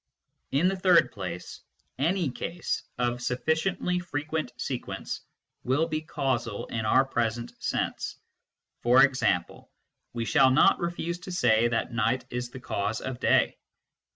In the third place, any case of sufficiently frequent sequence will be causal in our present sense ; for example, we shall not refuse to say that night is the cause of day.